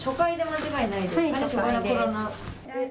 間違いないです。